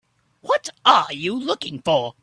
What are you looking for?